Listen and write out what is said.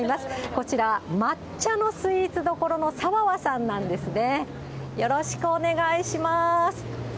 こちら、抹茶のスイーツどころの茶和々さんなんですね。